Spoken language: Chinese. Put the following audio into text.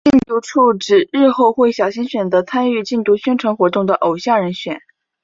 禁毒处指日后会小心选择参与禁毒宣传活动的偶像人选。